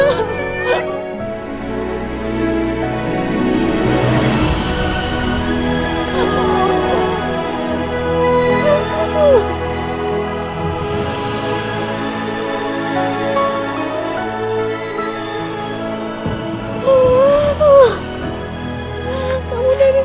nanti kita berjalan